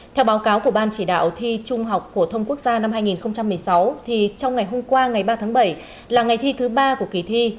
theo báo cáo của ban chỉ đạo thi trung học phổ thông quốc gia năm hai nghìn một mươi sáu trong ngày hôm qua ngày ba tháng bảy là ngày thi thứ ba của kỳ thi